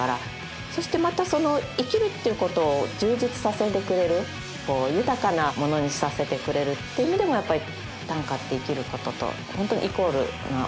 そしてまたその生きるっていうことを充実させてくれる豊かなものにさせてくれるっていう意味でもやっぱり短歌って生きることと本当にイコールなものじゃないかなと思いますね。